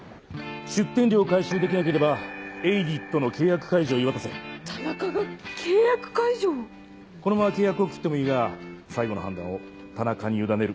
出店料を回収できなければエイディットの契約解除を言い渡せ田中が契約解除をこのまま契約を切ってもいいが最後の判断え！